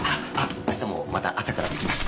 あしたもまた朝から付きます。